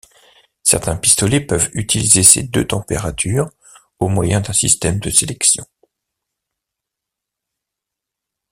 Certains pistolets peuvent utiliser ces deux températures au moyen d'un système de sélection.